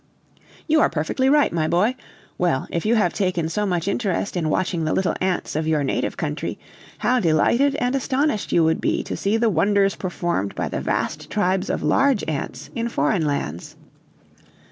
"You are perfectly right, my boy. Well, if you have taken so much interest in watching the little ants of your native country, how delighted and astonished you would be to see the wonders performed by the vast tribes of large ants in foreign lands.